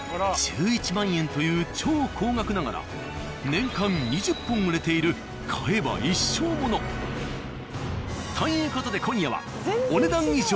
１１万円という超高額ながら年間２０本売れている買えば一生もの。という事で今夜はお、ねだん以上。